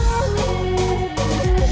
saya udah sampai